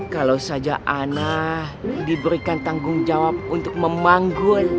kalau saja ana diberikan tanggung jawab untuk memanggul